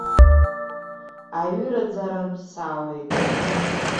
Аҩыраӡарантә саауеит.